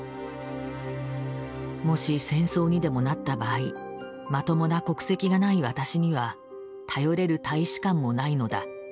もし戦争にでもなった場合まともな国籍がない私には頼れる大使館もないのだ。